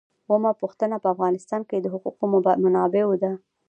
اوومه پوښتنه په افغانستان کې د حقوقي منابعو ده.